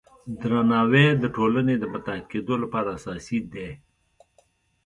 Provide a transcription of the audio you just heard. درناوی د ټولنې د متحد کیدو لپاره اساسي دی.